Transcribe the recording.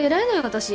私。